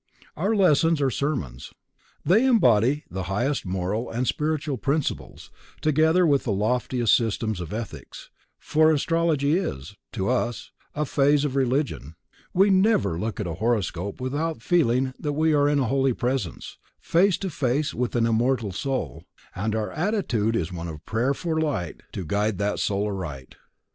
OUR LESSONS ARE SERMONS They embody the highest moral and spiritual principles, together with the loftiest system of ethics, for Astrology is, to us, a phase of religion; we never look at a horoscope without feeling that we are in a holy presence, face to face with an immortal soul, and our attitude is one of prayer for light to guide that soul aright.